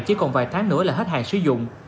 chỉ còn vài tháng nữa là hết hàng sử dụng